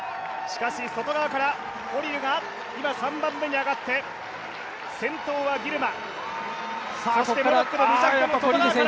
外側からコリルが今３番目に上がって、先頭はギルマ。